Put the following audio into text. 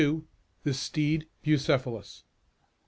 XCII. THE STEED BUCEPHALUS.